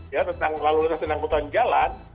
ya tentang lalu lintas dan angkutan jalan